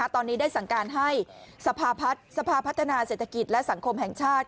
ตอนนี้ได้สั่งการให้สภาพัฒนาเศรษฐกิจและสังคมแห่งชาติ